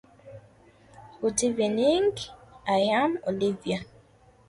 Her coach for many years was Ray Casey.